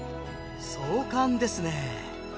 壮観ですね！